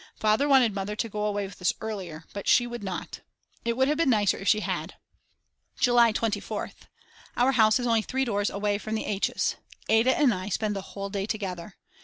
Father wanted Mother to go away with us earlier, but she would not. It would have been nicer if she had. July 24th. Our house is only 3 doors away from the Hs. Ada and I spend the whole day together.